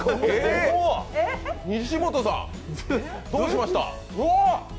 西本さん、どうしました？